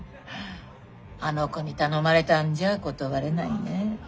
あの子に頼まれたんじゃ断れないね。